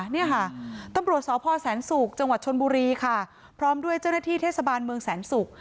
นี่ค่ะตำรวจสพแสนศุกร์จังหวัดชนบุรีค่ะพร้อมด้วยเจ้าหน้าที่เทศบาลเมืองแสนศุกร์